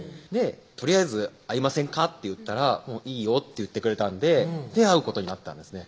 「とりあえず会いませんか？」って言ったら「いいよ」って言ってくれたんで会うことになったんですね